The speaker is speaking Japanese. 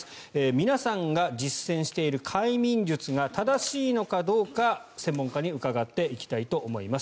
皆さんが実践している快眠術が正しいのかどうか専門家に伺っていきたいと思います。